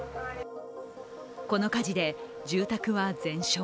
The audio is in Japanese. この火事で住宅は全焼。